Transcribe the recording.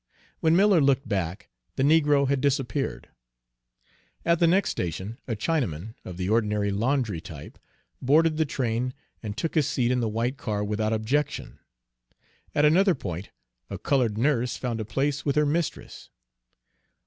When Miller looked back, the negro had disappeared. At the next station a Chinaman, of the ordinary laundry type, boarded the train, and took his seat in the white car without objection. At another point a colored nurse found a place with her mistress.